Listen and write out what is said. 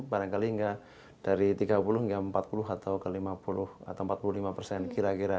barangkali hingga dari tiga puluh hingga empat puluh atau ke lima puluh atau empat puluh lima persen kira kira